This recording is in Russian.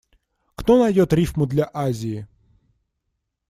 Кто найдёт рифму для «Азии»?